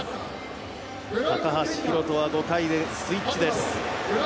高橋宏斗は５回でスイッチです。